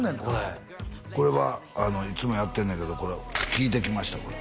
これこれはいつもやってんねんけど聴いてきました